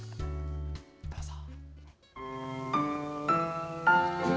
どうぞ。